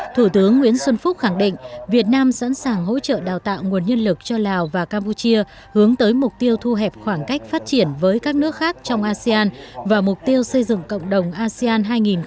thủ tướng nguyễn xuân phúc khẳng định việt nam sẵn sàng hỗ trợ đào tạo nguồn nhân lực cho lào và campuchia hướng tới mục tiêu thu hẹp khoảng cách phát triển với các nước khác trong asean và mục tiêu xây dựng cộng đồng asean hai nghìn hai mươi năm